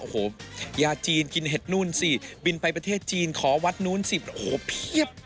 โอ้โหยาจีนกินเห็ดนู่นสิบินไปประเทศจีนขอวัดนู้นสิโอ้โหเพียบ